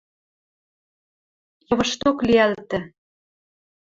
Йывышток лиӓлтӹ